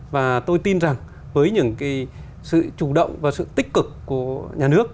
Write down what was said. và tôi tin rằng với những cái sự chủ động và sự tích cực của nhà nước